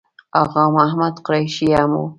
آغا محمد قریشي هم و.